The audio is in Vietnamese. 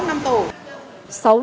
sáu năm tù là cái giá